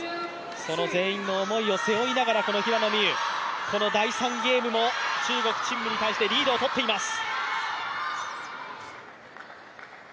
その全員の思いを背負いながらこの平野美宇、この第３ゲームも中国の陳夢に対してリードを取っています。